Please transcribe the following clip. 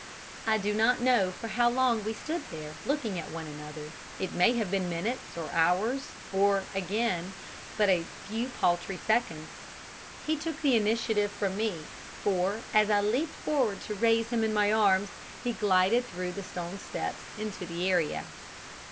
"I do not know for how long we stood there looking at one another, it may have been minutes or hours, or, again, but a few paltry seconds. He took the initiative from me, for, as I leaped forward to raise him in my arms, he glided through the stone steps into the area.